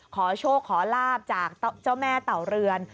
ขอโชคขอลาบจากเจ้าแม่เต่าเรือน